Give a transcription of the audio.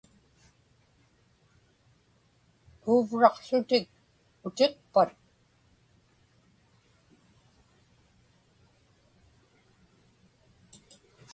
Puuvraqłutik utiqpat?